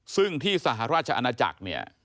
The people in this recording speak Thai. ซึ่งที่สหราชอาณาจักรเนี่ย